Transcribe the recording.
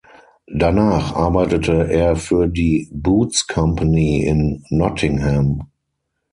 Danach arbeitete er für die Boots Company in Nottingham.